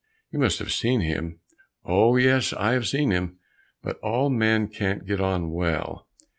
You must have seen him?" "Oh, yes, I have seen him, but all men can't get on well.